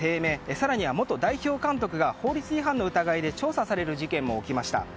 更には元代表監督が法律違反の疑いで調査される事件も起きました。